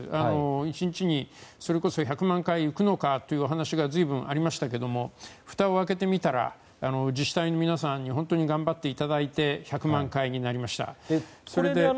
１日に、それこそ１００万回いくのかってお話が随分ありましたがふたを開けてみたら自治体の皆さんに本当に頑張っていただいて１００万回になりました。